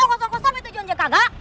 ongkos ongkos tapi tujuannya kagak